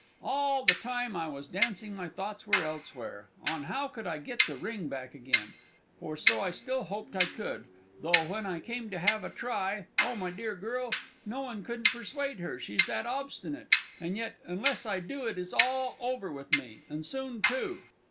All the while I was dancing my thoughts were elsewhere on how I could get the ring back again, for so I still hoped I could, though when I came to have a try, oh my dear girl no one couldn't persuade her she's that obstinate, and yet unless I do it is all over with me, and soon too!